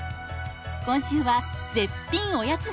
今週は絶品おやつ編。